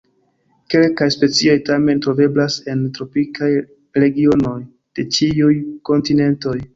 Kelkaj specioj tamen troveblas en tropikaj regionoj de ĉiuj kontinentoj.